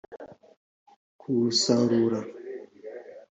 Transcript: kuwusarura